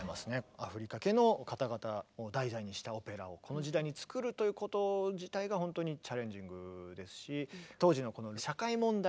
アフリカ系の方々を題材にしたオペラをこの時代に作るということ自体が本当にチャレンジングですし。